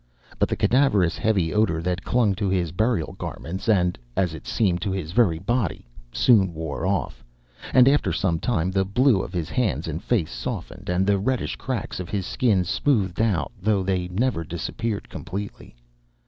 But the cadaverous, heavy odour that clung to his burial garments and, as it seemed, to his very body, soon wore off, and after some time the blue of his hands and face softened, and the reddish cracks of his skin smoothed out, though they never disappeared completely.